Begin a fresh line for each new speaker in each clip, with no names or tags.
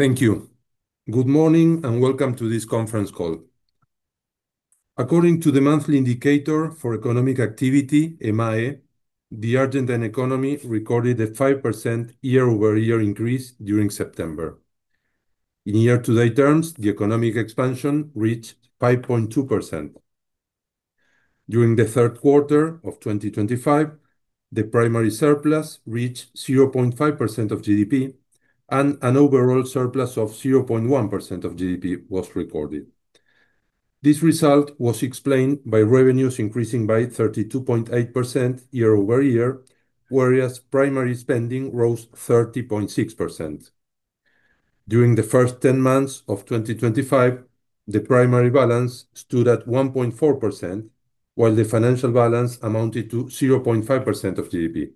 Thank you. Good morning and welcome to this conference call. According to the monthly indicator for economic activity, EMAE, the Argentine economy recorded a 5% year-over-year increase during September. In year-to-date terms, the economic expansion reached 5.2%. During the third quarter of 2025, the primary surplus reached 0.5% of GDP, and an overall surplus of 0.1% of GDP was recorded. This result was explained by revenues increasing by 32.8% year-over-year, whereas primary spending rose 30.6%. During the first 10 months of 2025, the primary balance stood at 1.4%, while the financial balance amounted to 0.5% of GDP.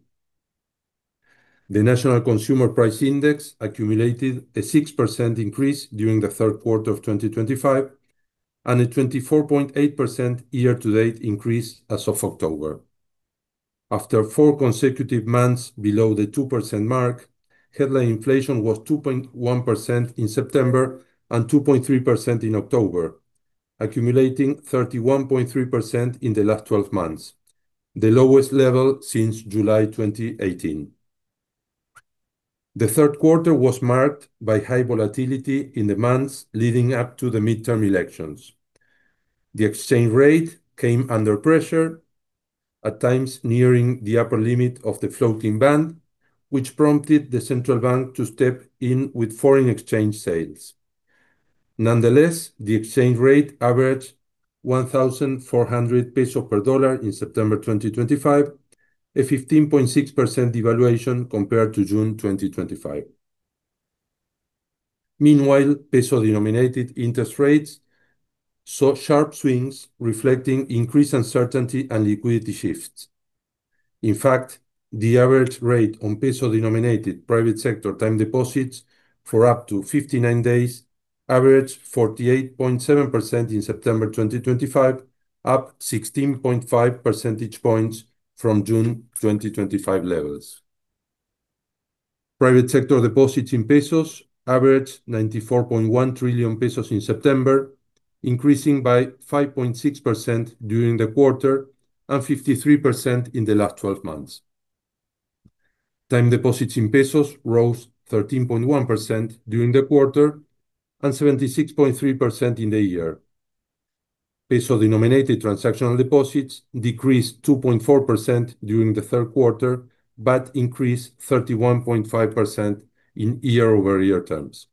The National Consumer Price Index accumulated a 6% increase during the third quarter of 2025 and a 24.8% year-to-date increase as of October. After four consecutive months below the 2% mark, headline inflation was 2.1% in September and 2.3% in October, accumulating 31.3% in the last 12 months, the lowest level since July 2018. The third quarter was marked by high volatility in the months leading up to the midterm elections. The exchange rate came under pressure, at times nearing the upper limit of the floating band, which prompted the central bank to step in with foreign exchange sales. Nonetheless, the exchange rate averaged 1,400 pesos per dollar in September 2025, a 15.6% devaluation compared to June 2025. Meanwhile, peso-denominated interest rates saw sharp swings, reflecting increased uncertainty and liquidity shifts. In fact, the average rate on peso-denominated private sector time deposits for up to 59 days averaged 48.7% in September 2025, up 16.5 percentage points from June 2025 levels. Private sector deposits in pesos averaged 94.1 trillion pesos in September, increasing by 5.6% during the quarter and 53% in the last 12 months. Time deposits in pesos rose 13.1% during the quarter and 76.3% in the year. Peso-denominated transactional deposits decreased 2.4% during the third quarter but increased 31.5% in year-over-year terms.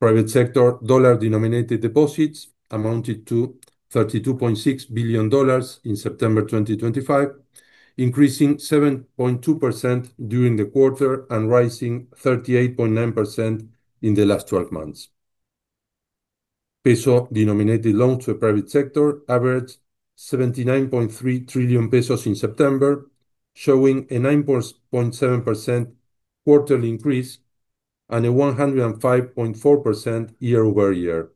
Private sector dollar-denominated deposits amounted to $32.6 billion in September 2025, increasing 7.2% during the quarter and rising 38.9% in the last 12 months. Peso-denominated loans to the private sector averaged 79.3 trillion pesos in September, showing a 9.7% quarterly increase and a 105.4% year-over-year.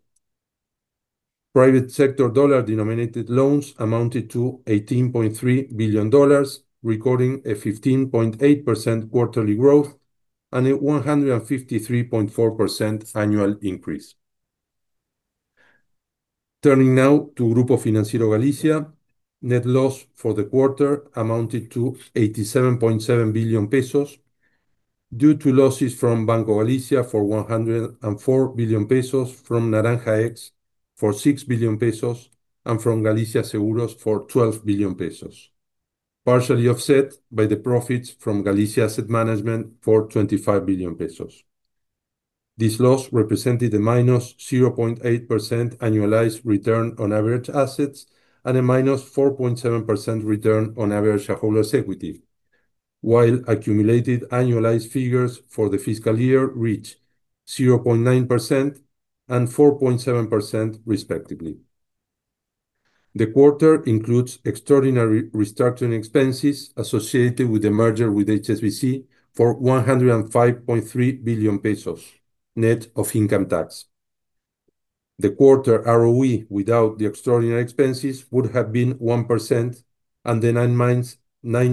Private sector dollar-denominated loans amounted to $18.3 billion, recording a 15.8% quarterly growth and a 153.4% annual increase. Turning now to Grupo Financiero Galicia, net loss for the quarter amounted to 87.7 billion pesos due to losses from Banco Galicia for 104 billion pesos, from NaranjaX for 6 billion pesos, and from Galicia Seguros for 12 billion pesos, partially offset by the profits from Galicia Asset Management for 25 billion pesos. This loss represented a -0.8% annualized return on average assets and a -4.7% return on average equity, while accumulated annualized figures for the fiscal year reached 0.9% and 4.7%, respectively. The quarter includes extraordinary restructuring expenses associated with the merger with HSBC Argentina for 105.3 billion pesos, net of income tax. The quarter ROE without the extraordinary expenses would have been 1%, and the nine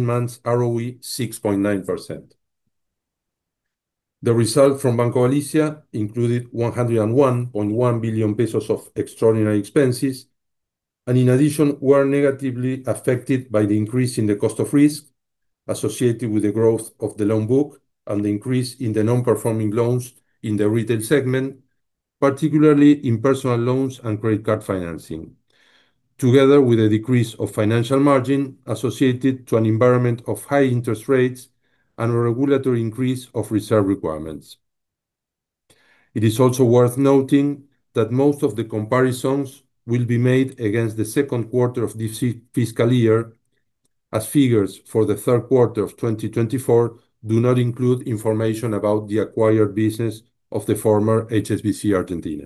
months ROE 6.9%. The result from Banco Galicia included 101.1 billion pesos of extraordinary expenses, and in addition, were negatively affected by the increase in the cost of risk associated with the growth of the loan book and the increase in the non-performing loans in the retail segment, particularly in personal loans and credit card financing, together with a decrease of financial margin associated to an environment of high interest rates and a regulatory increase of reserve requirements. It is also worth noting that most of the comparisons will be made against the second quarter of this fiscal year, as figures for the third quarter of 2024 do not include information about the acquired business of the former HSBC Argentina.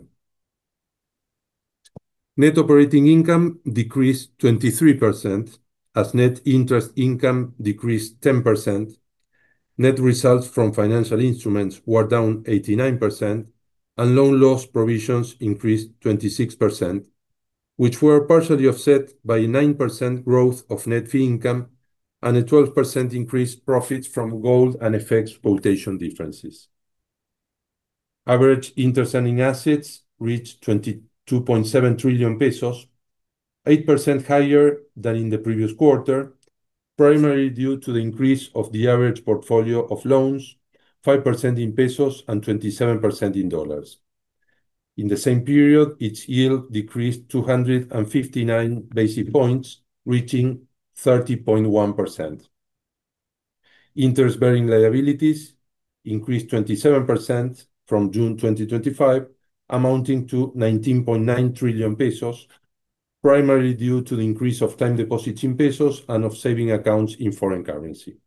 Net operating income decreased 23%, as net interest income decreased 10%, net results from financial instruments were down 89%, and loan loss provisions increased 26%, which were partially offset by a 9% growth of net fee income and a 12% increase in profits from gold and FX quotation differences. Average interest earning assets reached 22.7 trillion pesos, 8% higher than in the previous quarter, primarily due to the increase of the average portfolio of loans, 5% in pesos and 27% in dollars. In the same period, its yield decreased 259 basis points, reaching 30.1%. Interest-bearing liabilities increased 27% from June 2025, amounting to 19.9 trillion pesos, primarily due to the increase of time deposits in pesos and of saving accounts in foreign currency.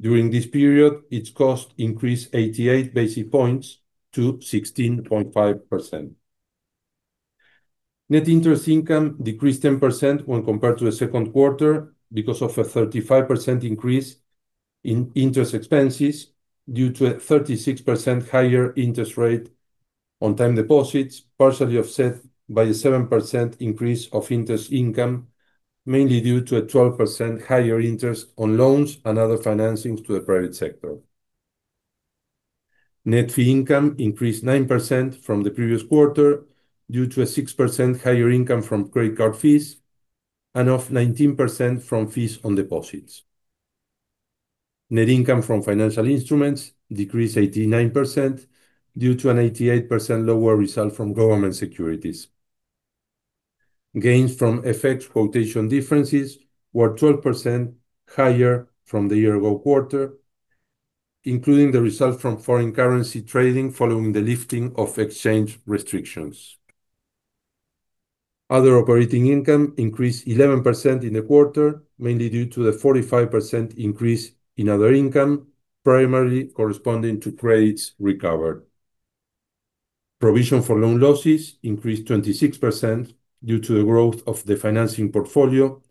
During this period, its cost increased 88 basis points to 16.5%. Net interest income decreased 10% when compared to the second quarter because of a 35% increase in interest expenses due to a 36% higher interest rate on time deposits, partially offset by a 7% increase of interest income, mainly due to a 12% higher interest on loans and other financings to the private sector. Net fee income increased 9% from the previous quarter due to a 6% higher income from credit card fees and of 19% from fees on deposits. Net income from financial instruments decreased 89% due to an 88% lower result from government securities. Gains from FX quotation differences were 12% higher from the year-ago quarter, including the result from foreign currency trading following the lifting of exchange restrictions. Other operating income increased 11% in the quarter, mainly due to the 45% increase in other income, primarily corresponding to credits recovered. Provision for loan losses increased 26% due to the growth of the financing portfolio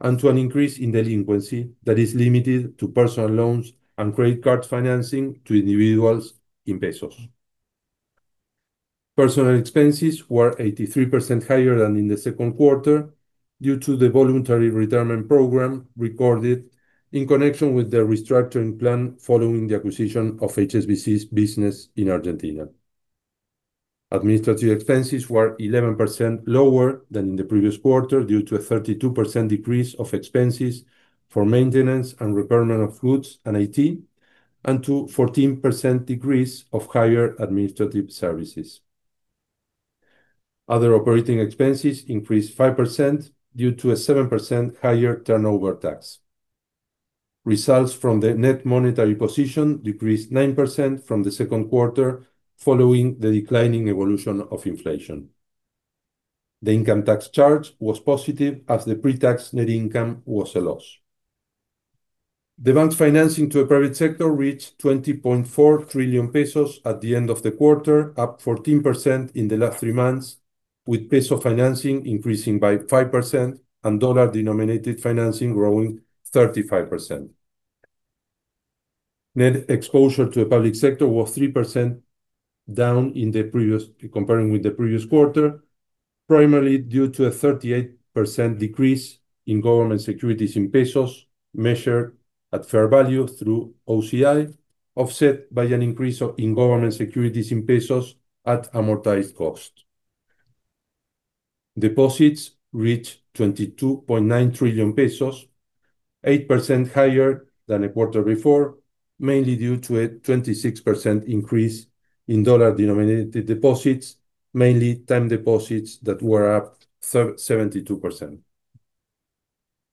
and to an increase in delinquency that is limited to personal loans and credit card financing to individuals in pesos. Personal expenses were 83% higher than in the second quarter due to the voluntary retirement program recorded in connection with the restructuring plan following the acquisition of HSBC Argentina's business. Administrative expenses were 11% lower than in the previous quarter due to a 32% decrease of expenses for maintenance and repair of goods and IT and to a 14% decrease of higher administrative services. Other operating expenses increased 5% due to a 7% higher turnover tax. Results from the net monetary position decreased 9% from the second quarter following the declining evolution of inflation. The income tax charge was positive as the pre-tax net income was a loss. The bank's financing to the private sector reached 20.4 trillion pesos at the end of the quarter, up 14% in the last three months, with peso financing increasing by 5% and dollar-denominated financing growing 35%. Net exposure to the public sector was 3% down in the previous compared with the previous quarter, primarily due to a 38% decrease in government securities in pesos measured at fair value through OCI, offset by an increase in government securities in pesos at amortized cost. Deposits reached 22.9 trillion pesos, 8% higher than a quarter before, mainly due to a 26% increase in dollar-denominated deposits, mainly time deposits that were up 72%.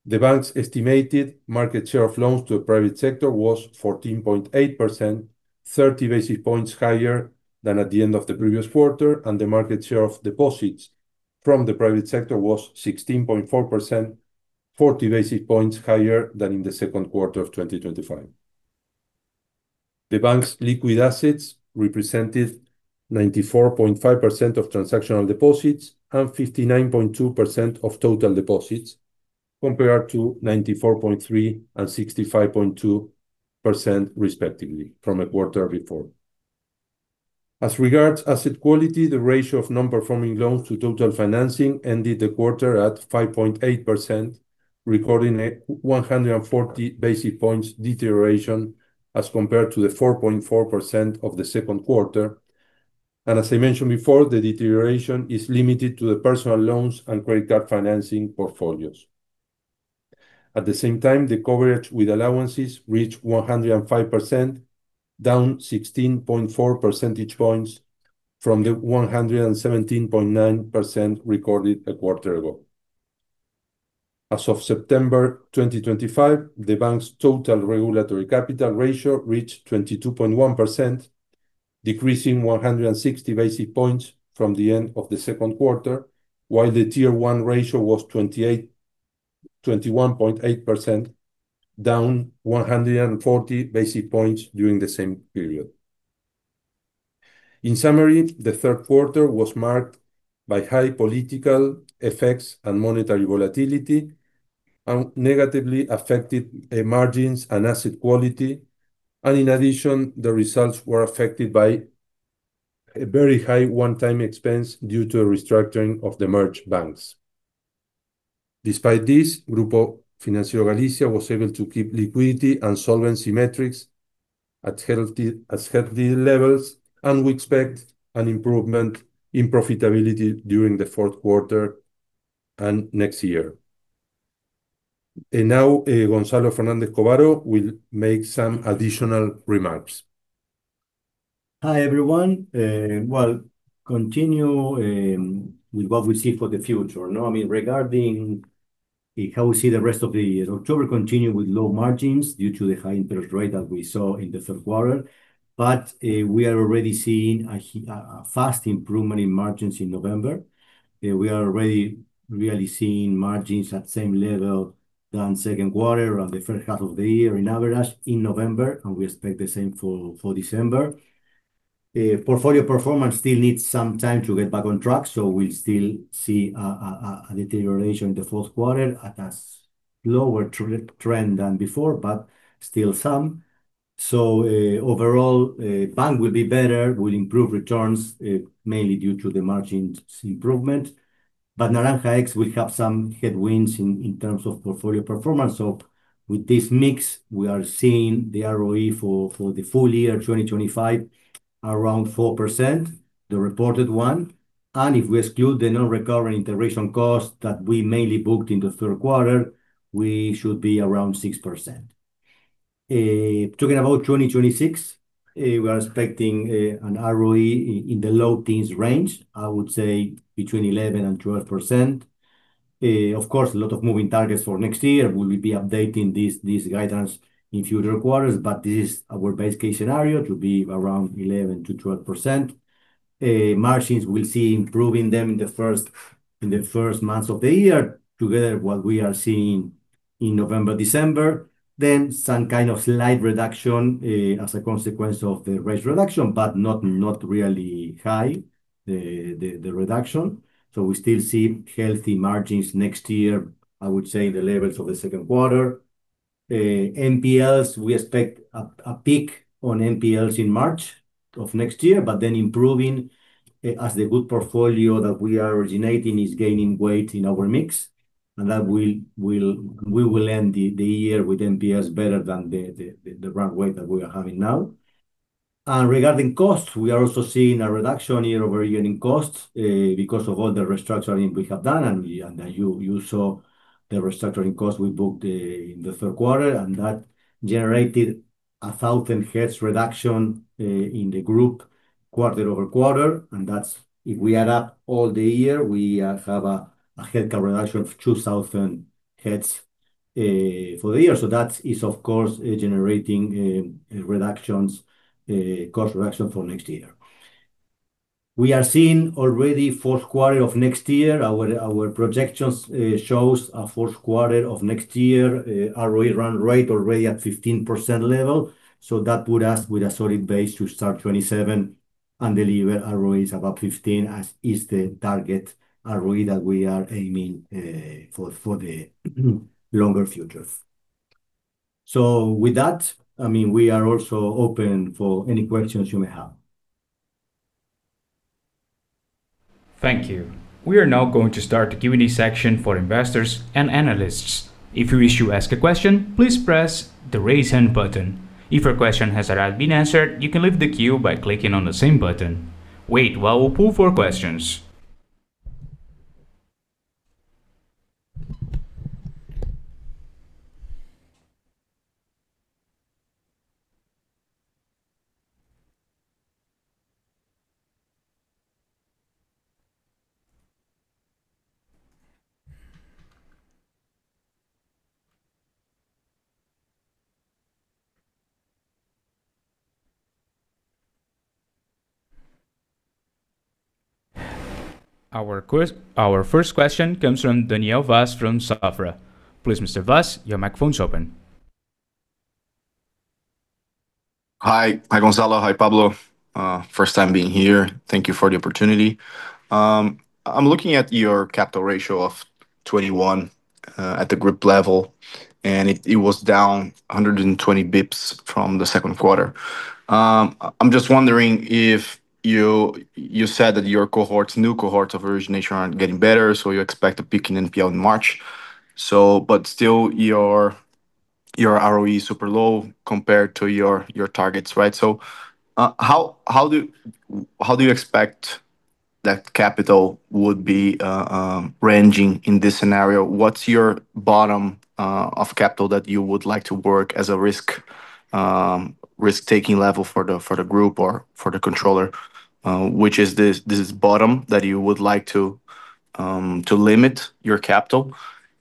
The bank's estimated market share of loans to the private sector was 14.8%, 30 basis points higher than at the end of the previous quarter, and the market share of deposits from the private sector was 16.4%, 40 basis points higher than in the second quarter of 2025. The bank's liquid assets represented 94.5% of transactional deposits and 59.2% of total deposits, compared to 94.3% and 65.2%, respectively, from a quarter before. As regards asset quality, the ratio of non-performing loans to total financing ended the quarter at 5.8%, recording a 140 basis points deterioration as compared to the 4.4% of the second quarter. As I mentioned before, the deterioration is limited to the personal loans and credit card financing portfolios. At the same time, the coverage with allowances reached 105%, down 16.4 percentage points from the 117.9% recorded a quarter ago. As of September 2025, the bank's total regulatory capital ratio reached 22.1%, decreasing 160 basis points from the end of the second quarter, while the tier one ratio was 21.8%, down 140 basis points during the same period. In summary, the third quarter was marked by high political effects and monetary volatility and negatively affected margins and asset quality. In addition, the results were affected by a very high one-time expense due to a restructuring of the merged banks. Despite this, Grupo Financiero Galicia was able to keep liquidity and solvency metrics at healthy levels, and we expect an improvement in profitability during the fourth quarter and next year. Now, Gonzalo Fernández Covaro will make some additional remarks.
Hi everyone. Continue with what we see for the future. I mean, regarding how we see the rest of the year, October continued with low margins due to the high interest rate that we saw in the third quarter. We are already seeing a fast improvement in margins in November. We are already really seeing margins at the same level as second quarter and the third half of the year on average in November, and we expect the same for December. Portfolio performance still needs some time to get back on track, so we will still see a deterioration in the fourth quarter, a lower trend than before, but still some. Overall, bank will be better, will improve returns mainly due to the margin improvement. NaranjaX will have some headwinds in terms of portfolio performance. With this mix, we are seeing the ROE for the full year 2025 around 4%, the reported one. If we exclude the non-recovery integration cost that we mainly booked in the third quarter, we should be around 6%. Talking about 2026, we are expecting an ROE in the low teens range, I would say between 11% and 12%. Of course, a lot of moving targets for next year. We will be updating this guidance in future quarters, but this is our base case scenario to be around 11%-12%. Margins, we will see improving them in the first months of the year together with what we are seeing in November, December. Some kind of slight reduction as a consequence of the rate reduction, but not really high, the reduction. We still see healthy margins next year, I would say, in the levels of the second quarter. NPLs, we expect a peak on NPLs in March of next year, but then improving as the good portfolio that we are originating is gaining weight in our mix. We will end the year with NPLs better than the runway that we are having now. Regarding costs, we are also seeing a reduction year-over-year in cost because of all the restructuring we have done. You saw the restructuring cost we booked in the third quarter, and that generated a 1,000 heads reduction in the group quarter over quarter. If we add up all the year, we have a headcount reduction of 2,000 heads for the year. That is, of course, generating cost reduction for next year. We are seeing already fourth quarter of next year. Our projections show a fourth quarter of next year ROE run rate already at 15% level. That put us with a solid base to start 2027 and deliver ROEs about 15, as is the target ROE that we are aiming for the longer future. With that, I mean, we are also open for any questions you may have.
Thank you. We are now going to start the Q&A section for investors and analysts. If you wish to ask a question, please press the raise hand button. If your question has already been answered, you can leave the queue by clicking on the same button. Wait while we pull for questions. Our first question comes from Danielle Vas from Safra. Please, Mr. Vas, your microphone is open.
Hi, hi, Gonzalo. Hi, Pablo. First time being here. Thank you for the opportunity. I'm looking at your capital ratio of 21 at the group level, and it was down 120 basis points from the second quarter. I'm just wondering if you said that your cohorts, new cohorts of origination aren't getting better, you expect a peak in NPL in March. Still, your ROE is super low compared to your targets, right? How do you expect that capital would be ranging in this scenario? What's your bottom of capital that you would like to work as a risk-taking level for the group or for the controller? Which is this bottom that you would like to limit your capital?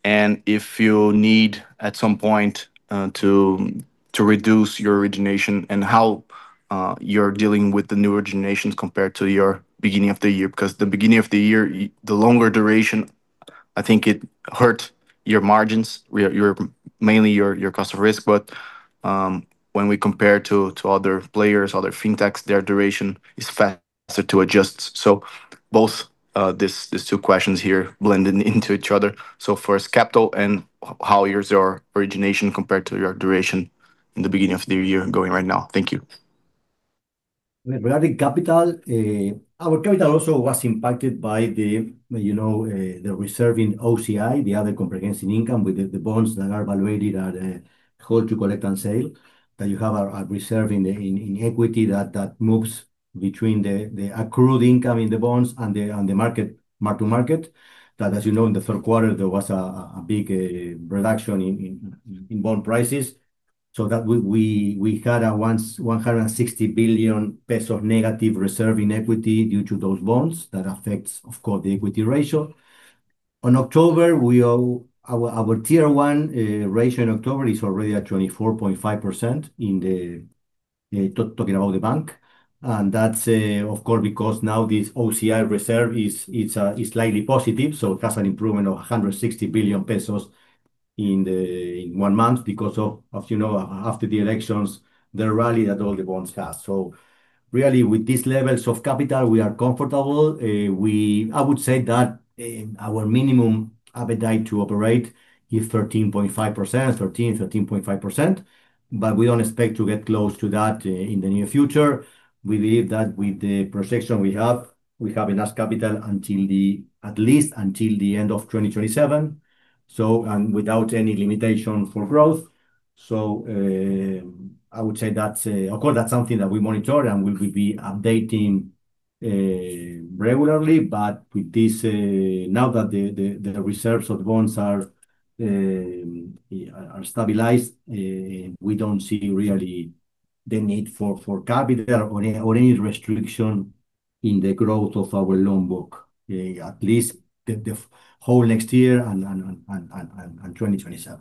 If you need at some point to reduce your origination and how you're dealing with the new originations compared to your beginning of the year, because the beginning of the year, the longer duration, I think it hurt your margins, mainly your cost of risk. When we compare to other players, other fintechs, their duration is faster to adjust. Both these two questions here blend into each other. First, capital and how is your origination compared to your duration in the beginning of the year going right now? Thank you.
Regarding capital, our capital also was impacted by the reserving OCI, the other comprehensive income with the bonds that are valuated at hold to collect and sale that you have a reserve in equity that moves between the accrued income in the bonds and the market to market. As you know, in the third quarter, there was a big reduction in bond prices. We had a 160 billion pesos negative reserve in equity due to those bonds that affects, of course, the equity ratio. In October, our tier one ratio in October is already at 24.5% in the talking about the bank. That is, of course, because now this OCI reserve is slightly positive. It has an improvement of 160 billion pesos in one month because of, as you know, after the elections, the rally that all the bonds had. Really, with these levels of capital, we are comfortable. I would say that our minimum appetite to operate is 13.5%, 13%, 13.5%. We do not expect to get close to that in the near future. We believe that with the projection we have, we have enough capital at least until the end of 2027, and without any limitation for growth. I would say that, of course, that is something that we monitor and we will be updating regularly. With this, now that the reserves of bonds are stabilized, we do not see really the need for capital or any restriction in the growth of our loan book, at least the whole next year and 2027.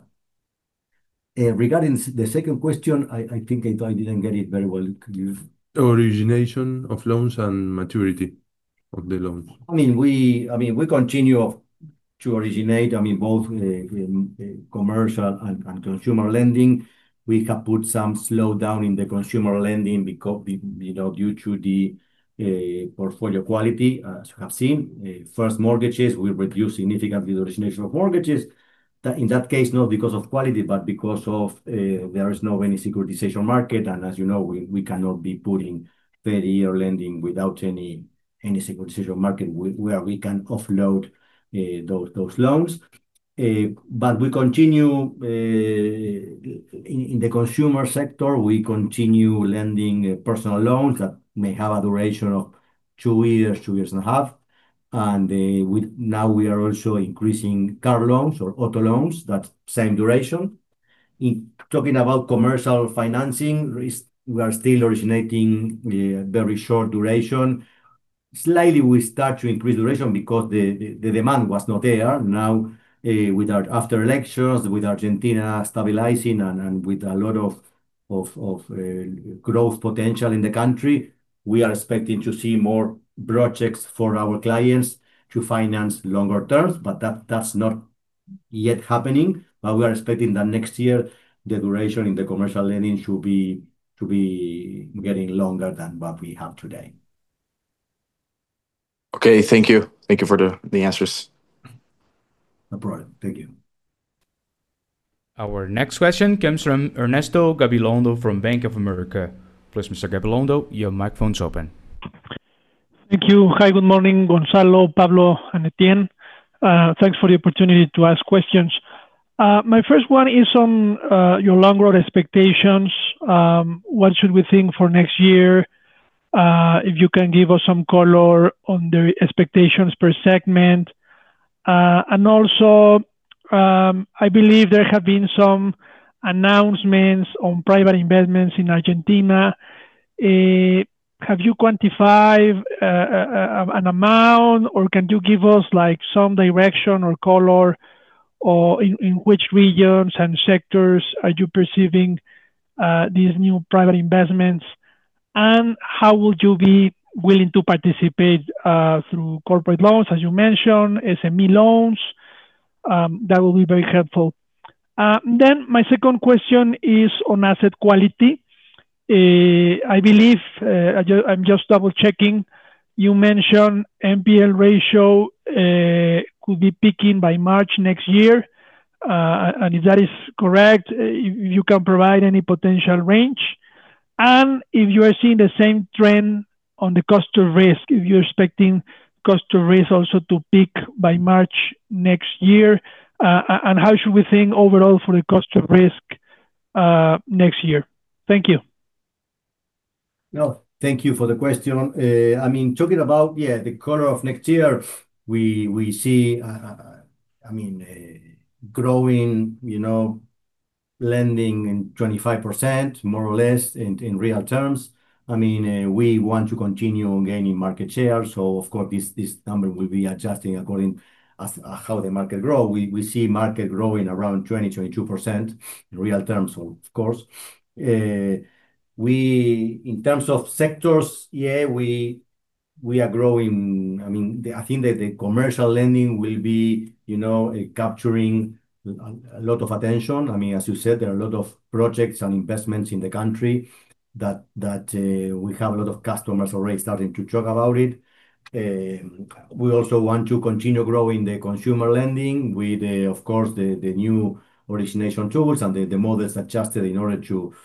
Regarding the second question, I think I didn't get it very well.
Origination of loans and maturity of the loans.
I mean, we continue to originate, I mean, both commercial and consumer lending. We have put some slowdown in the consumer lending due to the portfolio quality, as you have seen. First mortgages, we reduce significantly the origination of mortgages. In that case, not because of quality, but because there is not any securitization market. As you know, we cannot be putting every year lending without any securitization market where we can offload those loans. We continue in the consumer sector, we continue lending personal loans that may have a duration of two years, two years and a half. Now we are also increasing car loans or auto loans with that same duration. Talking about commercial financing, we are still originating very short duration. Slightly, we start to increase duration because the demand was not there. Now, with our after elections, with Argentina stabilizing and with a lot of growth potential in the country, we are expecting to see more projects for our clients to finance longer terms. That is not yet happening. We are expecting that next year, the duration in the commercial lending should be getting longer than what we have today.
Okay, thank you. Thank you for the answers.
No problem. Thank you.
Our next question comes from Ernesto Gabilondo from Bank of America. Please, Mr. Gavilondo, your microphone is open.
Thank you. Hi, good morning, Gonzalo, Pablo, and Etienne. Thanks for the opportunity to ask questions. My first one is on your long-road expectations. What should we think for next year? If you can give us some color on the expectations per segment. I believe there have been some announcements on private investments in Argentina. Have you quantified an amount, or can you give us some direction or color in which regions and sectors are you perceiving these new private investments? How would you be willing to participate through corporate loans, as you mentioned, SME loans? That will be very helpful. My second question is on asset quality. I believe, I am just double-checking, you mentioned NPL ratio could be peaking by March next year. If that is correct, if you can provide any potential range. If you are seeing the same trend on the cost of risk, if you are expecting cost of risk also to peak by March next year, and how should we think overall for the cost of risk next year? Thank you.
No, thank you for the question. I mean, talking about, yeah, the color of next year, we see, I mean, growing lending in 25%, more or less, in real terms. I mean, we want to continue gaining market share. Of course, this number will be adjusting according to how the market grows. We see market growing around 20-22% in real terms, of course. In terms of sectors, yeah, we are growing. I mean, I think that the commercial lending will be capturing a lot of attention. I mean, as you said, there are a lot of projects and investments in the country that we have a lot of customers already starting to talk about it. We also want to continue growing the consumer lending with, of course, the new origination tools and the models adjusted in order to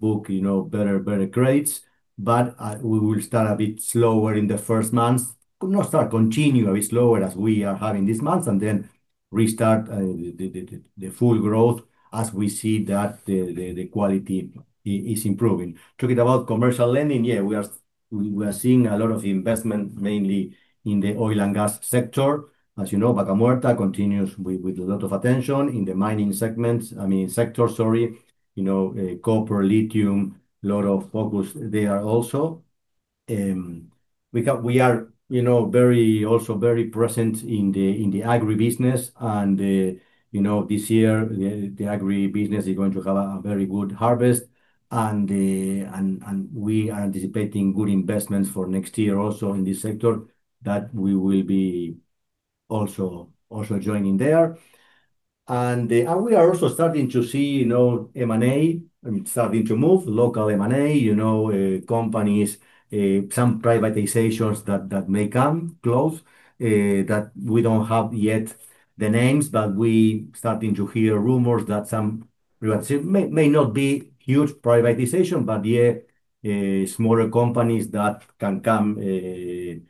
book better grades. We will start a bit slower in the first month. Not start, continue a bit slower as we are having this month, and then restart the full growth as we see that the quality is improving. Talking about commercial lending, yeah, we are seeing a lot of investment mainly in the oil and gas sector. As you know, Vaca Muerta continues with a lot of attention in the mining segments, I mean, sector, sorry, copper, lithium, a lot of focus there also. We are also very present in the agri business. This year, the agri business is going to have a very good harvest. We are anticipating good investments for next year also in this sector that we will be also joining there. We are also starting to see M&A starting to move, local M&A, companies, some privatizations that may come close that we do not have yet the names, but we are starting to hear rumors that some may not be huge privatization, but smaller companies that can come to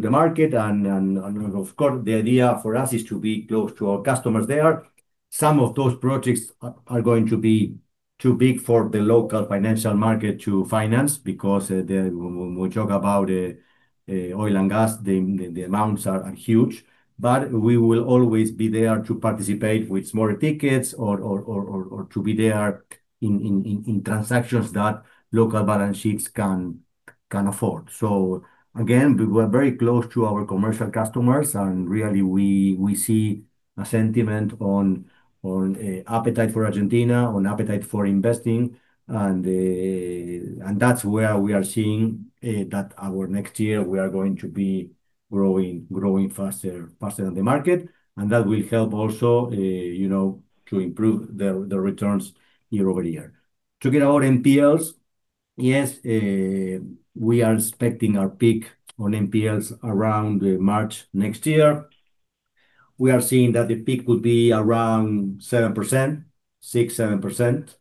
the market. Of course, the idea for us is to be close to our customers there. Some of those projects are going to be too big for the local financial market to finance because when we talk about oil and gas, the amounts are huge. We will always be there to participate with smaller tickets or to be there in transactions that local balance sheets can afford. Again, we were very close to our commercial customers. We see a sentiment on appetite for Argentina, on appetite for investing. That's where we are seeing that our next year, we are going to be growing faster than the market. That will help also to improve the returns year over year. Talking about NPLs, yes, we are expecting our peak on NPLs around March next year. We are seeing that the peak would be around 7%, 6-7%.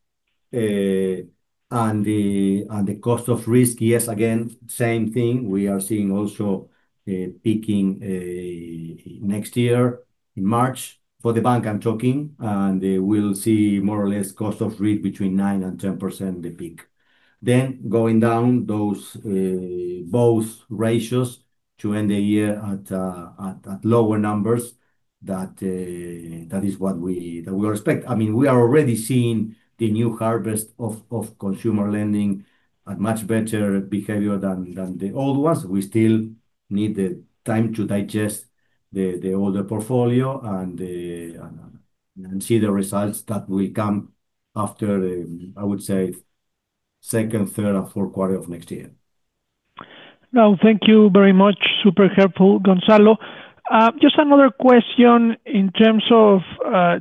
The cost of risk, yes, again, same thing. We are seeing also peaking next year in March for the bank I'm talking. We will see more or less cost of risk between 9-10% the peak, then going down those both ratios to end the year at lower numbers. That is what we expect. I mean, we are already seeing the new harvest of consumer lending at much better behavior than the old ones. We still need the time to digest the older portfolio and see the results that will come after, I would say, second, third, and fourth quarter of next year.
No, thank you very much. Super helpful, Gonzalo. Just another question in terms of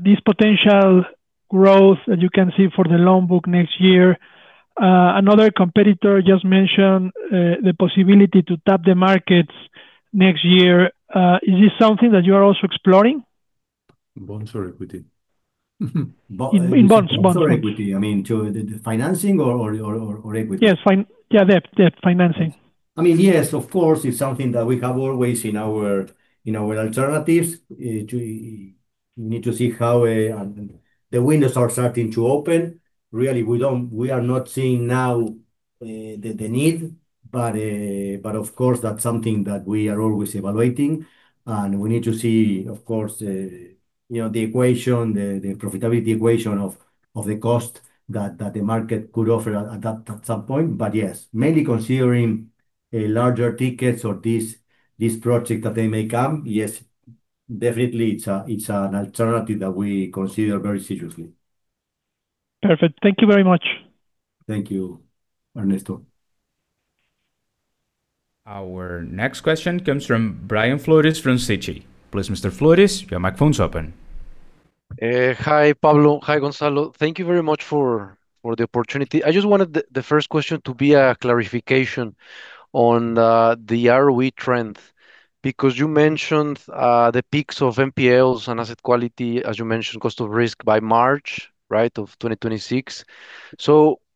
this potential growth that you can see for the loan book next year. Another competitor just mentioned the possibility to tap the markets next year. Is this something that you are also exploring?
Bonds or equity?
In bonds, bonds.
Bonds or equity. I mean, the financing or equity?
Yes, yeah, the financing. I mean, yes,
of course, it's something that we have always in our alternatives. We need to see how the windows are starting to open. Really, we are not seeing now the need, but of course, that's something that we are always evaluating. We need to see, of course, the equation, the profitability equation of the cost that the market could offer at some point. Yes, mainly considering larger tickets or this project that they may come, yes, definitely, it is an alternative that we consider very seriously.
Perfect. Thank you very much.
Thank you, Ernesto.
Our next question comes from Brian Flores from Citi. Please, Mr. Flores, your microphone is open.
Hi, Pablo. Hi, Gonzalo. Thank you very much for the opportunity. I just wanted the first question to be a clarification on the ROE trend because you mentioned the peaks of NPLs and asset quality, as you mentioned, cost of risk by March, right, of 2026.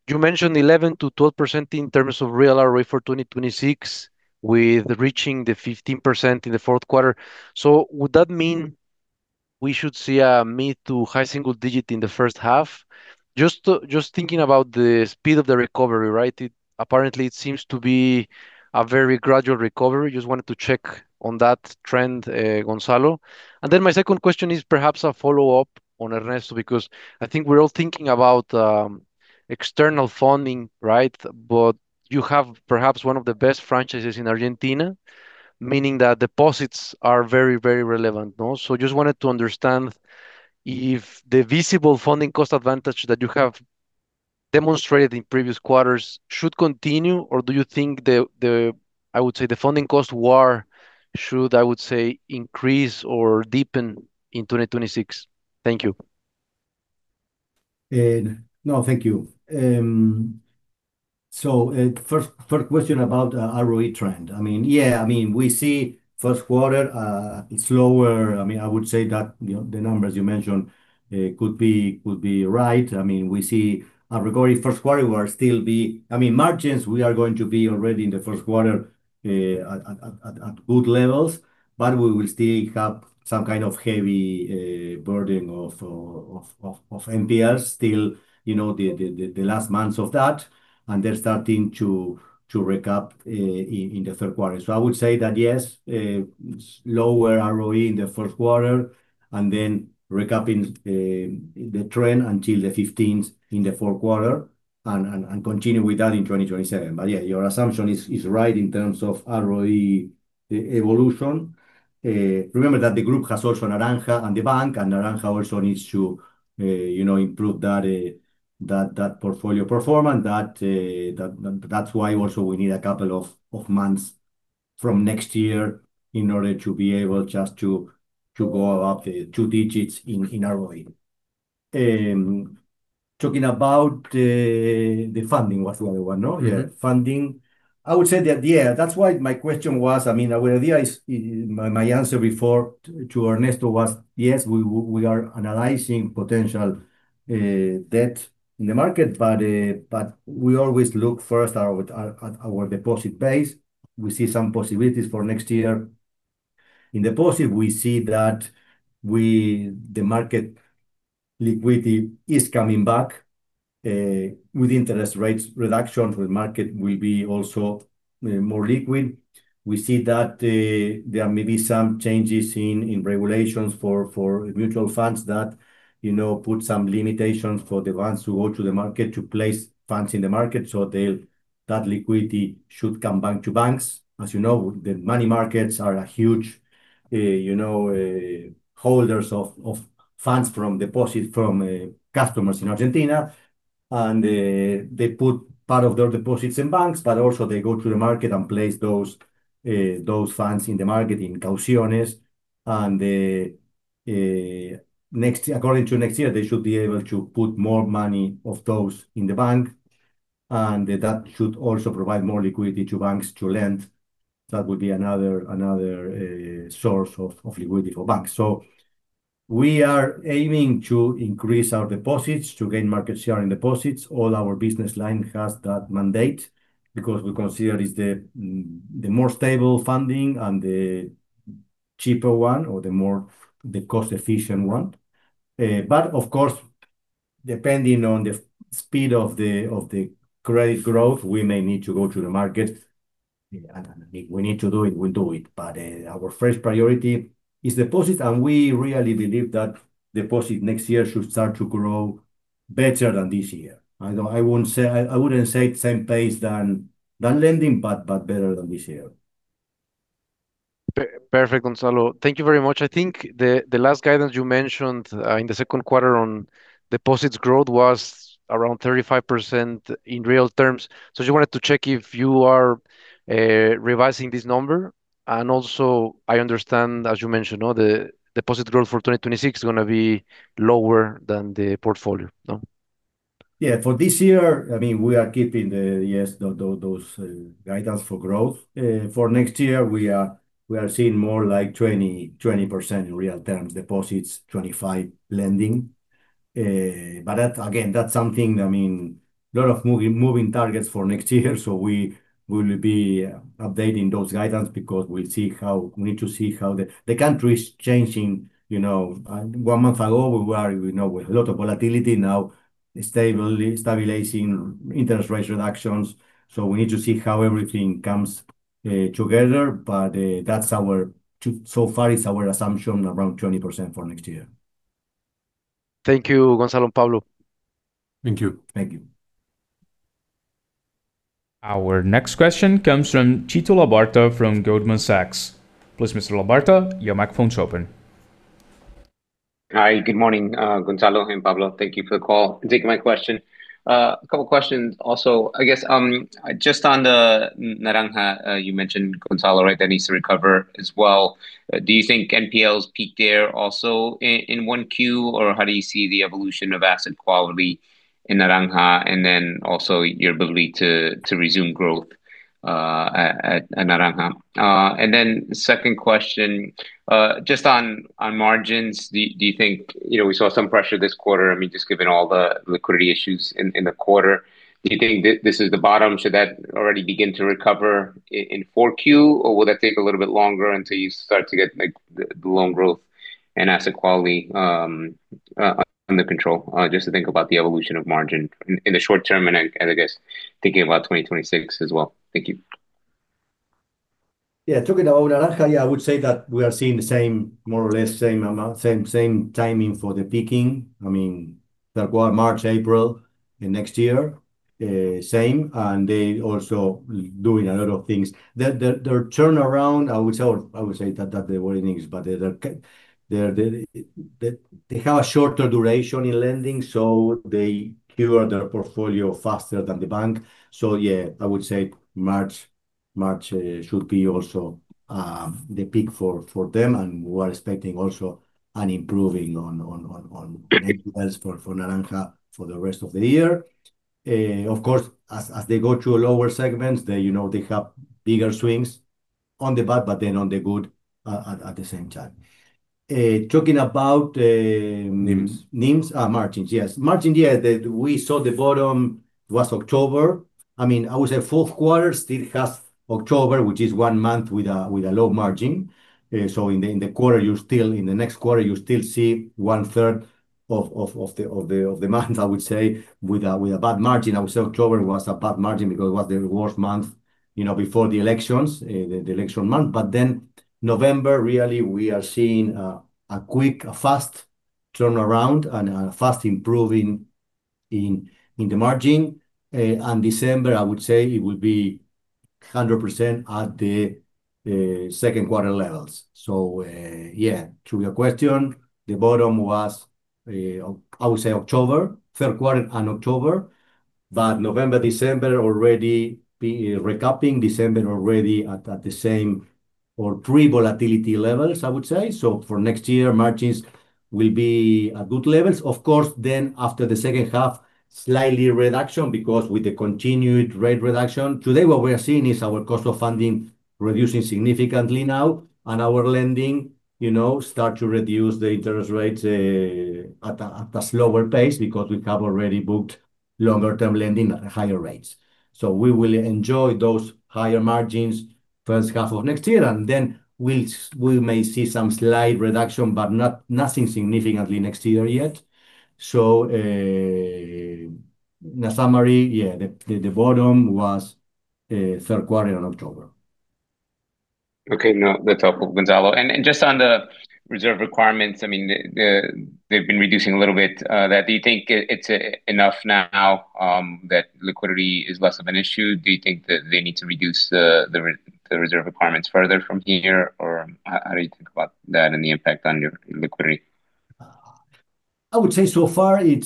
You mentioned 11%-12% in terms of real ROE for 2026 with reaching the 15% in the fourth quarter. Would that mean we should see a mid to high single digit in the first half? Just thinking about the speed of the recovery, right? Apparently, it seems to be a very gradual recovery. Just wanted to check on that trend, Gonzalo. My second question is perhaps a follow-up on Ernesto because I think we're all thinking about external funding, right? You have perhaps one of the best franchises in Argentina, meaning that deposits are very, very relevant. I just wanted to understand if the visible funding cost advantage that you have demonstrated in previous quarters should continue, or do you think, I would say, the funding cost war should, I would say, increase or deepen in 2026? Thank you.
No, thank you. First question about ROE trend. I mean, yeah, I mean, we see first quarter slower. I mean, I would say that the numbers you mentioned could be right. I mean, we see a recovery first quarter. We are still, I mean, margins, we are going to be already in the first quarter at good levels, but we will still have some kind of heavy burden of NPLs still the last months of that. They are starting to recap in the third quarter. I would say that, yes, lower ROE in the first quarter, and then recapping the trend until the 15th in the fourth quarter, and continue with that in 2027. Yeah, your assumption is right in terms of ROE evolution. Remember that the group has also Naranja and the bank, and Naranja also needs to improve that portfolio performance. That's why also we need a couple of months from next year in order to be able just to go about the two digits in ROE. Talking about the funding, what's the other one, no? Yeah, funding. I would say that, yeah, that's why my question was, I mean, my answer before to Ernesto was, yes, we are analyzing potential debt in the market, but we always look first at our deposit base. We see some possibilities for next year. In deposit, we see that the market liquidity is coming back with interest rate reductions. The market will be also more liquid. We see that there may be some changes in regulations for mutual funds that put some limitations for the ones who go to the market to place funds in the market. That liquidity should come back to banks. As you know, the money markets are huge holders of funds from deposits from customers in Argentina. They put part of their deposits in banks, but also they go to the market and place those funds in the market in cautions. According to next year, they should be able to put more money of those in the bank. That should also provide more liquidity to banks to lend. That would be another source of liquidity for banks. We are aiming to increase our deposits to gain market share in deposits. All our business line has that mandate because we consider it's the more stable funding and the cheaper one or the more cost-efficient one. Of course, depending on the speed of the credit growth, we may need to go to the market. If we need to do it, we do it. Our first priority is deposits. We really believe that deposit next year should start to grow better than this year. I would not say same pace than lending, but better than this year.
Perfect, Gonzalo. Thank you very much. I think the last guidance you mentioned in the second quarter on deposits growth was around 35% in real terms. I just wanted to check if you are revising this number. Also, I understand, as you mentioned, the deposit growth for 2026 is going to be lower than the portfolio.
Yeah, for this year, we are keeping the, yes, those guidance for growth. For next year, we are seeing more like 20% in real terms, deposits, 25% lending. Again, that is something, I mean, a lot of moving targets for next year. We will be updating those guidance because we will see how we need to see how the country is changing. One month ago, we were with a lot of volatility. Now, stabilizing interest rate reductions. We need to see how everything comes together. That so far is our assumption, around 20% for next year.
Thank you, Gonzalo and Pablo.
Thank you.
Thank you.
Our next question comes from Tito Labarta from Goldman Sachs. Please, Mr. Labarta, your microphone is open.
Hi, good morning, Gonzalo and Pablo. Thank you for the call and taking my question. A couple of questions also, I guess. Just on the NaranjaX, you mentioned, Gonzalo, right, that needs to recover as well. Do you think NPLs peak there also in one Q, or how do you see the evolution of asset quality in Naranja and then also your ability to resume growth at Naranja? Second question, just on margins, do you think we saw some pressure this quarter, I mean, just given all the liquidity issues in the quarter? Do you think this is the bottom? Should that already begin to recover in four Q, or will that take a little bit longer until you start to get the loan growth and asset quality under control? Just to think about the evolution of margin in the short term and, I guess, thinking about 2026 as well. Thank you.
Yeah, talking about Naranja, yeah, I would say that we are seeing the same, more or less same timing for the peaking. I mean, third quarter, March, April, and next year, same. They also doing a lot of things. Their turnaround, I would say that they were in things, but they have a shorter duration in lending. They cure their portfolio faster than the bank. Yeah, I would say March should be also the peak for them. We are expecting also an improving on NPLs for Naranja for the rest of the year. Of course, as they go to lower segments, they have bigger swings on the bad, but then on the good at the same time. Talking about NIMS. NIMS, margins, yes. Margins, yes, we saw the bottom was October. I mean, I would say fourth quarter still has October, which is one month with a low margin. In the quarter, you still in the next quarter, you still see one third of the month, I would say, with a bad margin. I would say October was a bad margin because it was the worst month before the elections, the election month. Then November, really, we are seeing a quick, a fast turnaround and a fast improving in the margin. December, I would say it would be 100% at the second quarter levels. Yeah, to your question, the bottom was, I would say, October, third quarter and October. November, December already recapping, December already at the same or three volatility levels, I would say. For next year, margins will be at good levels. Of course, after the second half, slightly reduction because with the continued rate reduction. Today, what we are seeing is our cost of funding reducing significantly now. Our lending starts to reduce the interest rates at a slower pace because we have already booked longer-term lending at higher rates. We will enjoy those higher margins first half of next year. We may see some slight reduction, but nothing significant next year yet. In summary, yeah, the bottom was third quarter in October.
Okay, no, that's helpful, Gonzalo. Just on the reserve requirements, I mean, they've been reducing a little bit. Do you think it's enough now that liquidity is less of an issue? Do you think that they need to reduce the reserve requirements further from here? How do you think about that and the impact on your liquidity?
I would say so far, I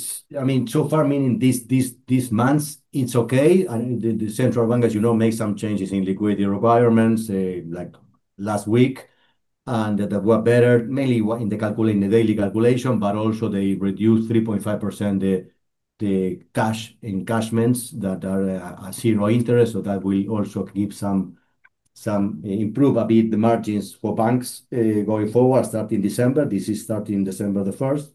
mean, so far, meaning these months, it's okay. The central bank, as you know, made some changes in liquidity requirements last week. That was better, mainly in the daily calculation, but also they reduced 3.5% the cash encashments that are at zero interest. That will also give some improve a bit the margins for banks going forward starting December. This is starting December the 1st.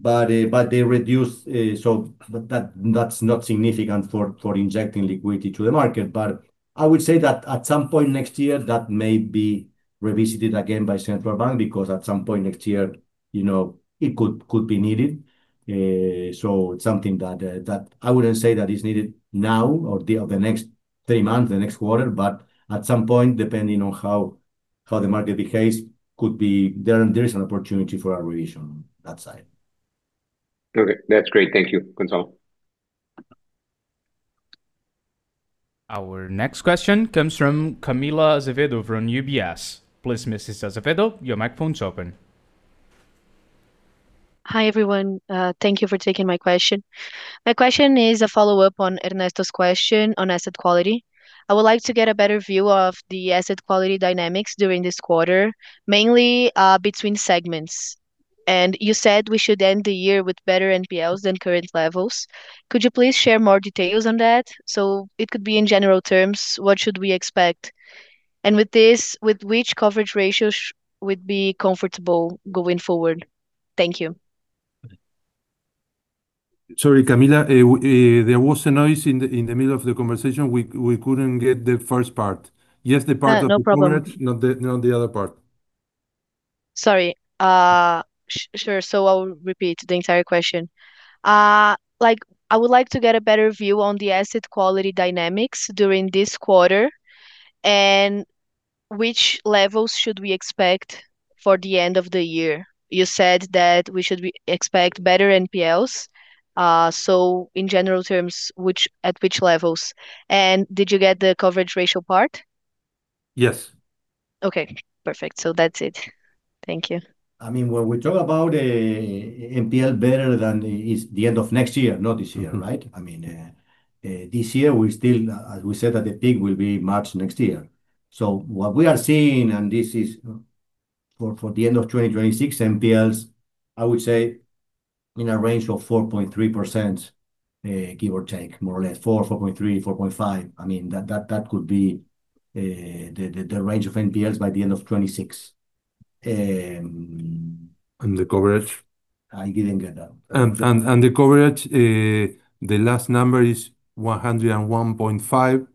They reduced, so that's not significant for injecting liquidity to the market. I would say that at some point next year, that may be revisited again by central bank because at some point next year, it could be needed. It's something that I wouldn't say that is needed now or the next three months, the next quarter, but at some point, depending on how the market behaves, could be there is an opportunity for a revision on that side.
Okay, that's great. Thank you, Gonzalo.
Our next question comes from Camila Azevedo from UBS. Please, Mrs. Azevedo, your microphone is open.
Hi everyone. Thank you for taking my question. My question is a follow-up on Ernesto's question on asset quality. I would like to get a better view of the asset quality dynamics during this quarter, mainly between segments. You said we should end the year with better NPLs than current levels. Could you please share more details on that? It could be in general terms, what should we expect? With this, with which coverage ratios would you be comfortable going forward? Thank you.
Sorry, Camila, there was a noise in the middle of the conversation. We could not get the first part. Yes, the part of the coverage, not the other part.
Sorry. Sure. I will repeat the entire question. I would like to get a better view on the asset quality dynamics during this quarter. Which levels should we expect for the end of the year? You said that we should expect better NPLs. In general terms, at which levels? Did you get the coverage ratio part?
Yes.
Okay, perfect. That's it. Thank you.
I mean, when we talk about NPL better than the end of next year, not this year, right? I mean, this year, we still, as we said, the peak will be March next year. What we are seeing, and this is for the end of 2026, NPLs, I would say in a range of 4.3%, give or take, more or less, 4-4.3-4.5%. That could be the range of NPLs by the end of 2026. The coverage? I didn't get that. The coverage, the last number is 101.5%.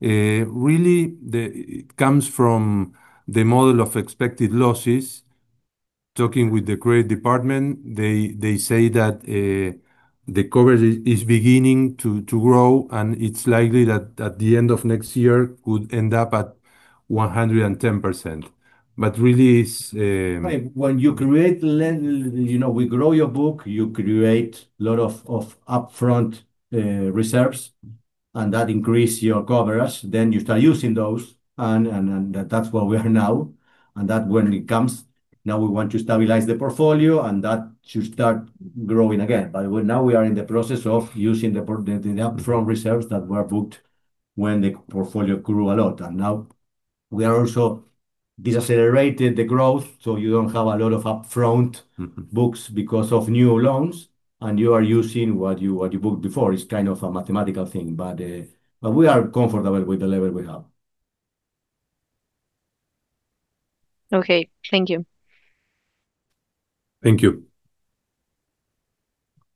Really, it comes from the model of expected losses. Talking with the Credit Department, they say that the coverage is beginning to grow, and it's likely that at the end of next year, it could end up at 110%. But really, it's. When you create, we grow your book, you create a lot of upfront reserves, and that increases your coverage. Then you start using those, and that's where we are now. When it comes, now we want to stabilize the portfolio, and that should start growing again. Now we are in the process of using the upfront reserves that were booked when the portfolio grew a lot. Now we are also decelerating the growth. You don't have a lot of upfront books because of new loans, and you are using what you booked before. It's kind of a mathematical thing, but we are comfortable with the level we have.
Okay, thank you. Thank you.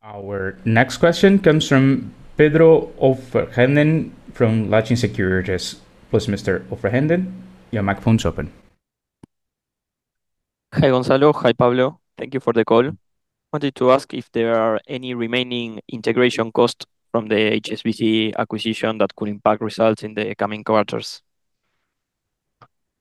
Our next question comes from Pedro Offenhenden from Latin Securities. Please, Mr. Ofverhenden, your microphone is open.
Hi, Gonzalo. Hi, Pablo. Thank you for the call. Wanted to ask if there are any remaining integration costs from the HSBC acquisition that could impact results in the coming quarters.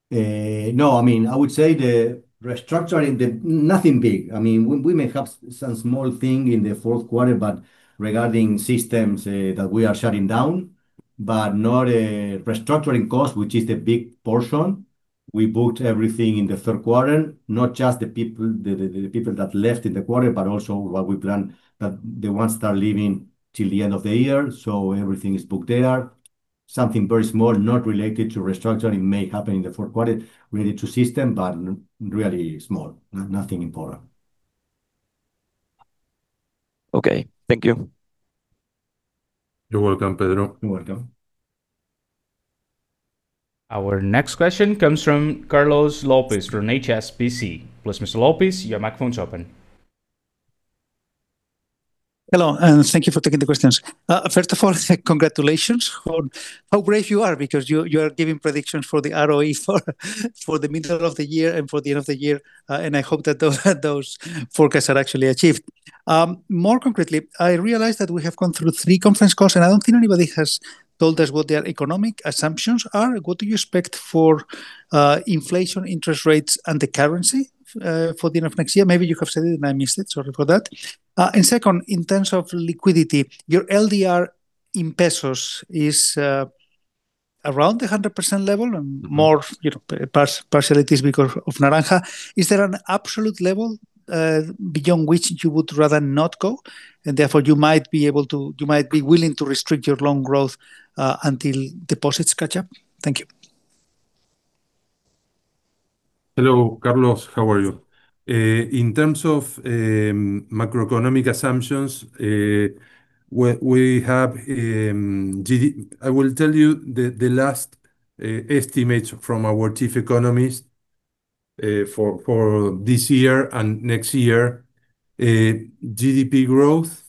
No, I mean, I would say the restructuring, nothing big. I mean, we may have some small thing in the fourth quarter, but regarding systems that we are shutting down, but not restructuring costs, which is the big portion. We booked everything in the third quarter, not just the people that left in the quarter, but also what we planned that the ones that are leaving till the end of the year. So everything is booked there. Something very small, not related to restructuring, may happen in the fourth quarter, related to system, but really small, nothing important.
Okay, thank you.
You're welcome, Pedro.
You're welcome.
Our next question comes from Carlos Lopez from HSBC. Please, Mr. Lopez, your microphone is open.
Hello, and thank you for taking the questions. First of all, congratulations on how brave you are because you are giving predictions for the ROE for the middle of the year and for the end of the year. I hope that those forecasts are actually achieved. More concretely, I realized that we have gone through three conference calls, and I do not think anybody has told us what their economic assumptions are. What do you expect for inflation, interest rates, and the currency for the end of next year? Maybe you have said it, and I missed it. Sorry for that. Second, in terms of liquidity, your LDR in pesos is around the 100% level and more partially because of NaranjaX. Is there an absolute level beyond which you would rather not go? Therefore, you might be able to, you might be willing to restrict your loan growth until deposits catch up? Thank you.
Hello, Carlos. How are you? In terms of macroeconomic assumptions, we have, I will tell you the last estimates from our chief economists for this year and next year. GDP growth,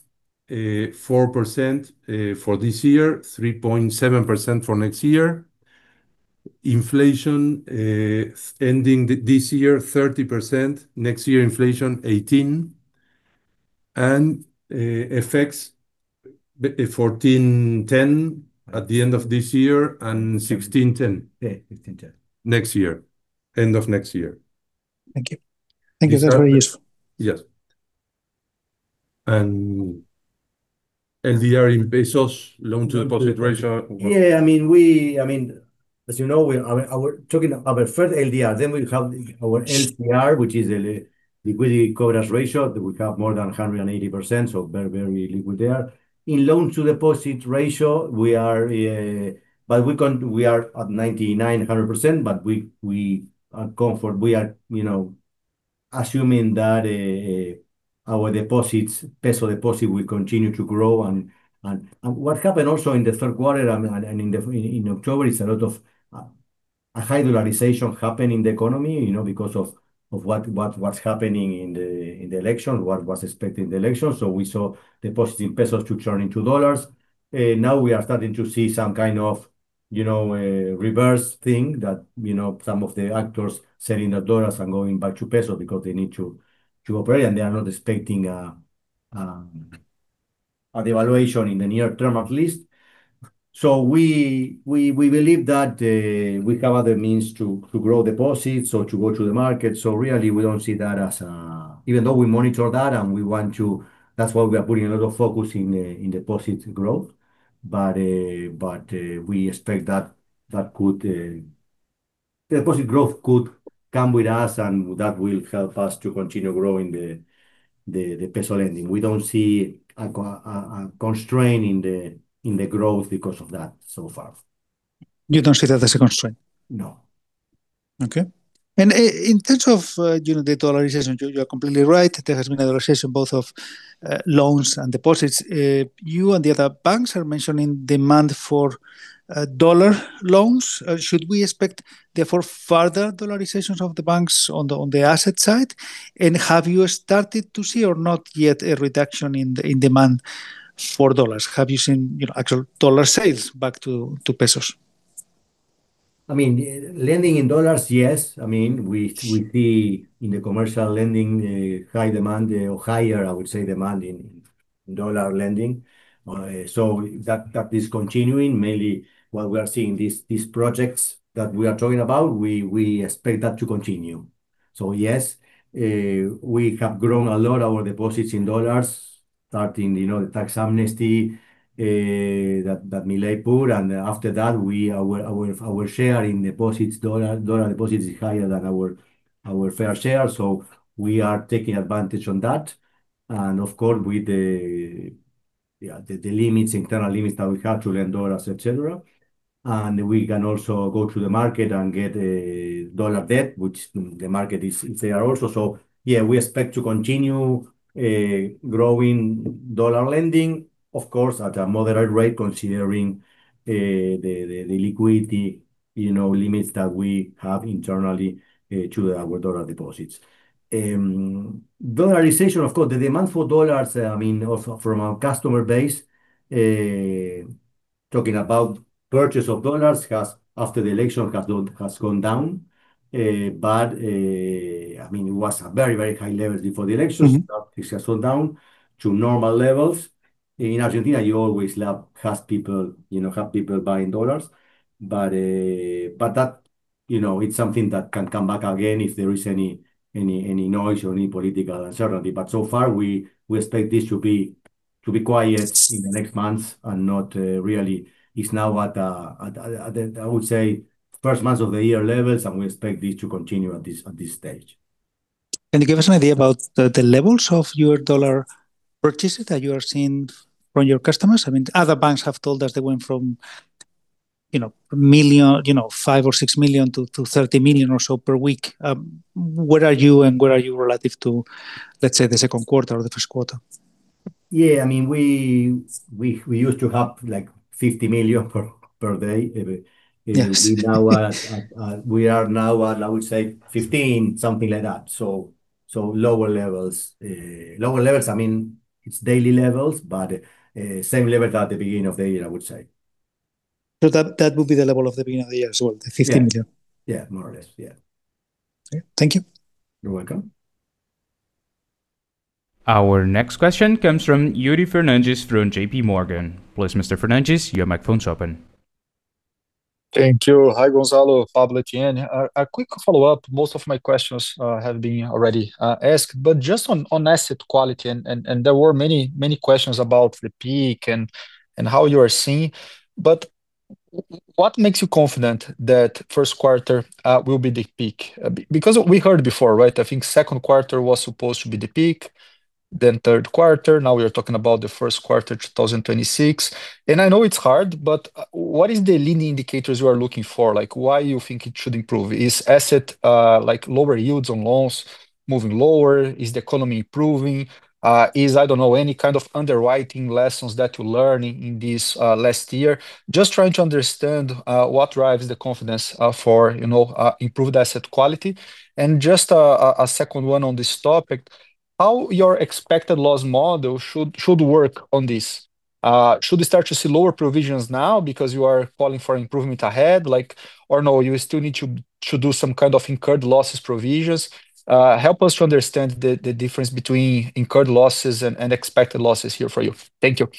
4% for this year, 3.7% for next year. Inflation ending this year, 30%. Next year, inflation 18%. And FX 1410 at the end of this year and 1610 next year, end of next year.
Thank you. Thank you. That's very useful.
Yes. And LDR in pesos, loan-to-deposit ratio.
Yeah, I mean, as you know, we're talking about our first LDR. Then we have our LCR, which is the liquidity coverage ratio. We have more than 180%, so very, very liquid there. In loan-to-deposit ratio, we are, but we are at 99-100%, but we are comfortable. We are assuming that our deposits, peso deposit, will continue to grow. What happened also in the third quarter and in October, it's a lot of high dollarization happening in the economy because of what's happening in the election, what was expected in the election. We saw deposits in pesos to turn into dollars. Now we are starting to see some kind of reverse thing that some of the actors selling the dollars and going back to pesos because they need to operate, and they are not expecting an evaluation in the near term at least. We believe that we have other means to grow deposits or to go to the market. Really, we do not see that as a, even though we monitor that and we want to, that's why we are putting a lot of focus in deposit growth. We expect that deposit growth could come with us, and that will help us to continue growing the peso lending. We do not see a constraint in the growth because of that so far.
You do not see that as a constraint?
No.
Okay. In terms of the dollarization, you are completely right. There has been a dollarization both of loans and deposits. You and the other banks are mentioning demand for dollar loans. Should we expect therefore further dollarizations of the banks on the asset side? Have you started to see or not yet a reduction in demand for dollars? Have you seen actual dollar sales back to pesos?
I mean, lending in dollars, yes. I mean, we see in the commercial lending high demand or higher, I would say, demand in dollar lending. That is continuing. Mainly what we are seeing, these projects that we are talking about, we expect that to continue. Yes, we have grown a lot of our deposits in dollars starting the tax amnesty that Milei put. After that, our share in deposits, dollar deposits, is higher than our fair share. We are taking advantage of that. Of course, with the limits and kind of limits that we have to lend dollars, etc. We can also go to the market and get dollar debt, which the market is there also. We expect to continue growing dollar lending, of course, at a moderate rate considering the liquidity limits that we have internally to our dollar deposits. Dollarization, of course, the demand for dollars, I mean, from our customer base, talking about purchase of dollars after the election has gone down. I mean, it was a very, very high level before the election. It has gone down to normal levels. In Argentina, you always have people buying dollars. That is something that can come back again if there is any noise or any political uncertainty. So far, we expect this to be quiet in the next months and not really. It is now at, I would say, first months of the year levels, and we expect this to continue at this stage.
Can you give us an idea about the levels of your dollar purchases that you are seeing from your customers? I mean, other banks have told us they went from $1 million, $5 million or $6 million to $30 million or so per week. Where are you and where are you relative to, let's say, the second quarter or the first quarter?
Yeah, I mean, we used to have like $50 million per day. We are now at, I would say, $15 million, something like that. Lower levels. Lower levels, I mean, it's daily levels, but same level at the beginning of the year, I would say.
That would be the level of the beginning of the year as well, the $15 million?
Yeah, more or less, yeah.
Thank you.
You're welcome.
Our next question comes from Yuri Fernandez from JP Morgan. Please, Mr. Fernandez, your microphone is open.
Thank you. Hi, Gonzalo, Pablo, Chien. A quick follow-up. Most of my questions have been already asked, but just on asset quality, and there were many questions about the peak and how you are seeing. What makes you confident that first quarter will be the peak? Because we heard before, right? I think second quarter was supposed to be the peak, then third quarter. Now we are talking about the first quarter 2026. I know it's hard, but what is the leading indicators you are looking for? Why do you think it should improve? Is asset lower yields on loans moving lower? Is the economy improving? Is, I don't know, any kind of underwriting lessons that you learned in this last year? Just trying to understand what drives the confidence for improved asset quality. Just a second one on this topic, how your expected loss model should work on this? Should we start to see lower provisions now because you are calling for improvement ahead? Or no, you still need to do some kind of incurred losses provisions? Help us to understand the difference between incurred losses and expected losses here for you. Thank you.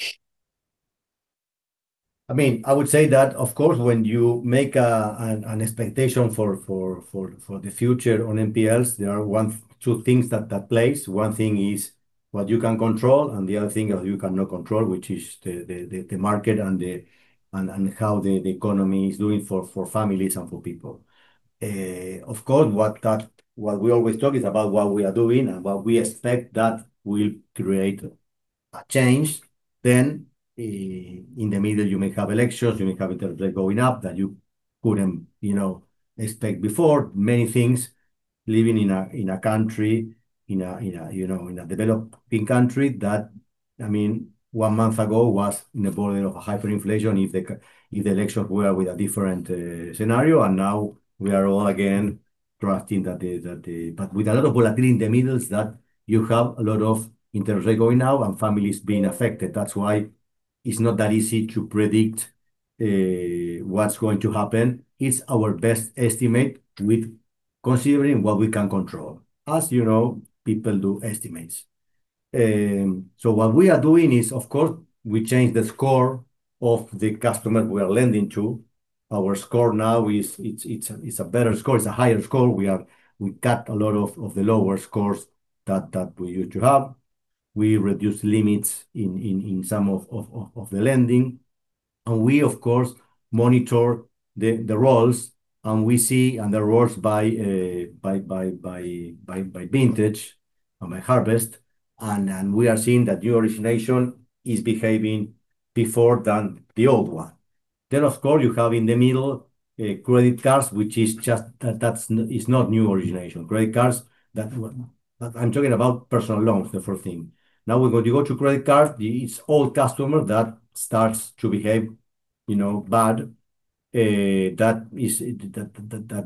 I mean, I would say that, of course, when you make an expectation for the future on NPLs, there are one or two things that play. One thing is what you can control and the other thing that you cannot control, which is the market and how the economy is doing for families and for people. Of course, what we always talk is about what we are doing and what we expect that will create a change. In the middle, you may have elections, you may have interest rates going up that you could not expect before. Many things living in a country, in a developing country that, I mean, one month ago was on the border of hyperinflation if the elections were with a different scenario. Now we are all again drafting that. With a lot of volatility in the middle is that you have a lot of interest rates going out and families being affected. That's why it's not that easy to predict what's going to happen. It's our best estimate with considering what we can control. As you know, people do estimates. So what we are doing is, of course, we change the score of the customer we are lending to. Our score now is a better score. It's a higher score. We cut a lot of the lower scores that we used to have. We reduce limits in some of the lending. And we, of course, monitor the roles. And we see the roles by vintage and by harvest. And we are seeing that new origination is behaving before than the old one. Of course, you have in the middle credit cards, which is just that it's not new origination. Credit cards, I'm talking about personal loans, the first thing. Now when you go to credit cards, it's old customers that start to behave bad. That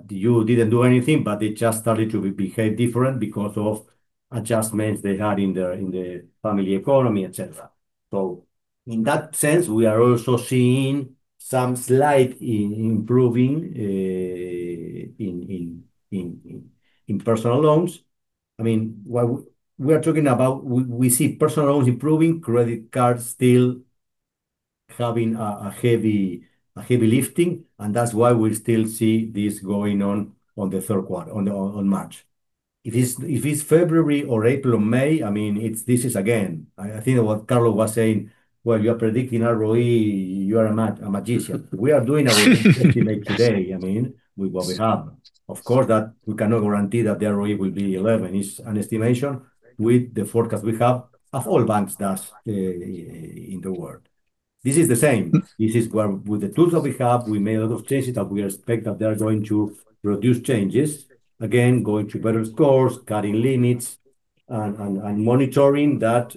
you didn't do anything, but they just started to behave different because of adjustments they had in the family economy, etc. In that sense, we are also seeing some slight improving in personal loans. I mean, we are talking about we see personal loans improving, credit cards still having a heavy lifting. That's why we still see this going on on the third quarter, on March. If it's February or April or May, I mean, this is again, I think what Carlos was saying, you are predicting ROE, you are a magician. We are doing an estimate today, I mean, with what we have. Of course, we cannot guarantee that the ROE will be 11. It's an estimation with the forecast we have of all banks in the world. This is the same. This is where with the tools that we have, we made a lot of changes that we expect that they are going to produce changes. Again, going to better scores, cutting limits, and monitoring that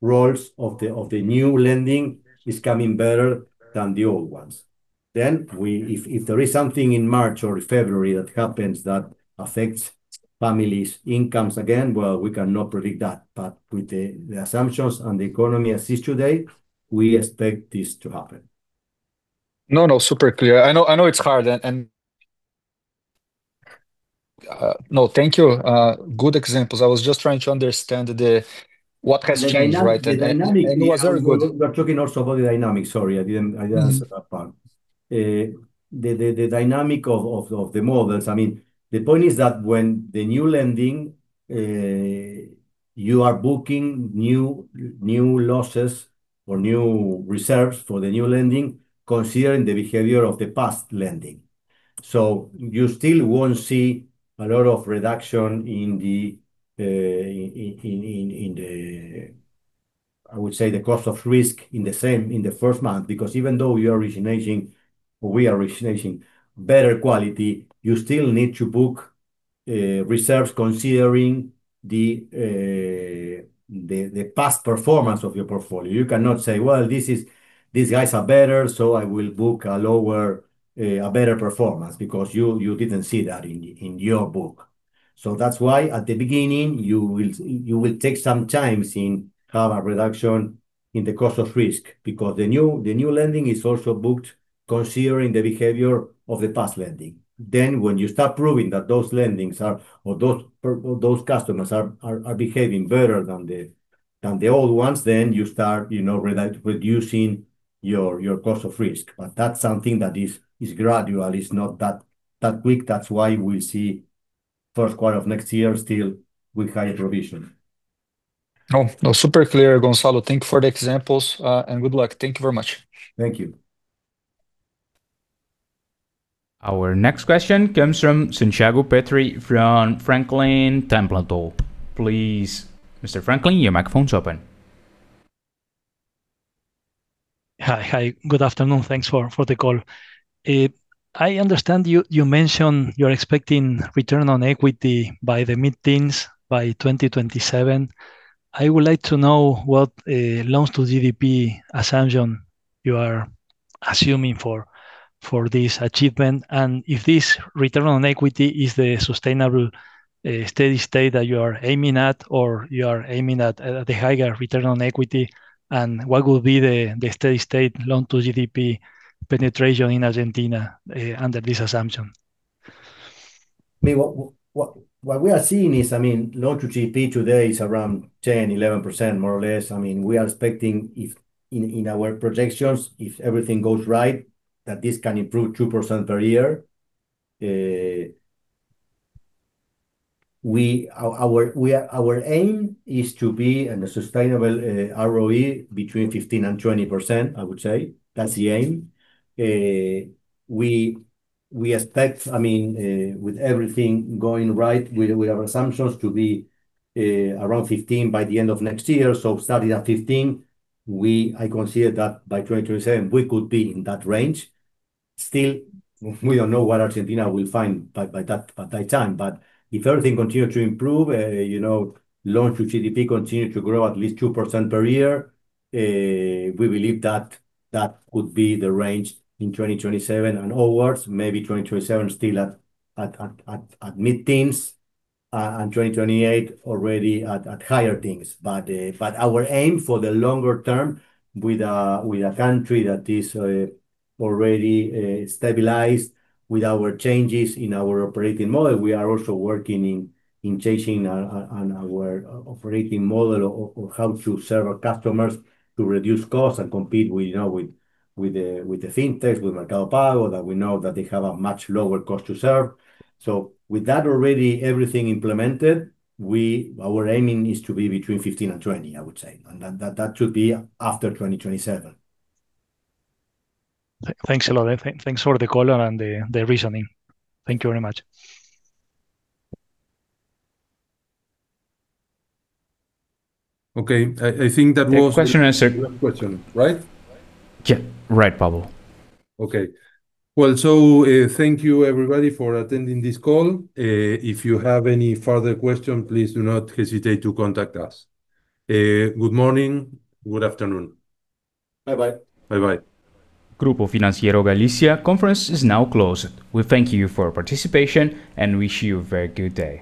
roles of the new lending is coming better than the old ones. If there is something in March or February that happens that affects families' incomes again, we cannot predict that. With the assumptions and the economy as is today, we expect this to happen.
No, no, super clear. I know it's hard. No, thank you. Good examples. I was just trying to understand what has changed, right?
It was very good. We're talking also about the dynamic. Sorry, I didn't answer that part. The dynamic of the models, I mean, the point is that when the new lending, you are booking new losses or new reserves for the new lending considering the behavior of the past lending. You still won't see a lot of reduction in the, I would say, the cost of risk in the first month because even though you are originating, we are originating better quality, you still need to book reserves considering the past performance of your portfolio. You cannot say, "Well, these guys are better, so I will book a better performance because you did not see that in your book." That is why at the beginning, you will take some time in having a reduction in the cost of risk because the new lending is also booked considering the behavior of the past lending. When you start proving that those lendings or those customers are behaving better than the old ones, you start reducing your cost of risk. That is something that is gradual. It is not that quick. That is why we see first quarter of next year still with higher provision.
No, super clear, Gonzalo. Thank you for the examples and good luck. Thank you very much.
Thank you.
Our next question comes from Santiago Petri from Franklin Templeton. Please, Mr. Petri, your microphone is open.
Hi, hi. Good afternoon. Thanks for the call.
I understand you mentioned you're expecting return on equity by the mid-teens by 2027. I would like to know what loans to GDP assumption you are assuming for this achievement. If this return on equity is the sustainable steady state that you are aiming at or you are aiming at a higher return on equity, and what will be the steady state loan-to-GDP penetration in Argentina under this assumption?
What we are seeing is, I mean, loan-to-GDP today is around 10-11%, more or less. I mean, we are expecting in our projections, if everything goes right, that this can improve 2% per year. Our aim is to be a sustainable ROE between 15-20%, I would say. That's the aim. We expect, I mean, with everything going right, we have assumptions to be around 15% by the end of next year. Starting at 15, I consider that by 2027, we could be in that range. Still, we do not know what Argentina will find by that time. If everything continues to improve, loans-to-GDP continue to grow at least 2% per year, we believe that that could be the range in 2027 and onwards, maybe 2027 still at mid-teens and 2028 already at higher things. Our aim for the longer term with a country that is already stabilized with our changes in our operating model, we are also working in changing our operating model or how to serve our customers to reduce costs and compete with the fintechs, with Mercado Pago, that we know that they have a much lower cost to serve. With that already everything implemented, our aiming is to be between 15-20, I would say. That should be after 2027.
Thanks a lot. Thanks for the call and the reasoning. Thank you very much.
Okay. I think that was
question answered.
Question, right?
Yeah. Right, Pablo.
Okay. Thank you, everybody, for attending this call. If you have any further questions, please do not hesitate to contact us. Good morning. Good afternoon. Bye-bye. Bye-bye.
Grupo Financiero Galicia Conference is now closed. We thank you for participation and wish you a very good day.